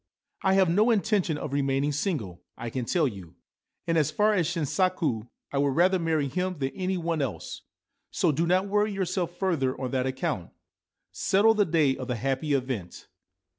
* I have no intention of remaining single, I can tell you ; and as for Shinsaku I would rather marry him than any one else — so do not worry yourself further on that account. Settle the day of the happy event.